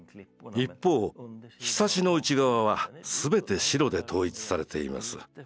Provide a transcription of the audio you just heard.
一方ひさしの内側はすべて白で統一されています。